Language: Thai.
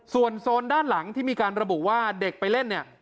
ส่วนโซนด้านหลังที่มีการระบุว่าเด็กไปเล่นเนี่ย